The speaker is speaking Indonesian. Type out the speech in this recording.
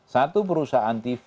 satu perusahaan tv